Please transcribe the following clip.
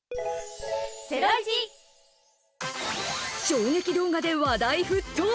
衝撃動画で話題沸騰。